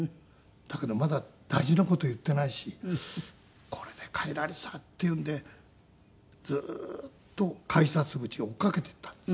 だけどまだ大事な事言っていないしこれで帰られたらっていうんでずーっと改札口を追っかけていったんです。